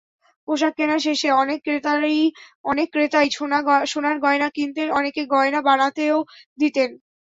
পোশাক কেনা শেষে অনেক ক্রেতাই সোনার গয়না কিনতেন, অনেকে গয়না বানাতেও দিতেন।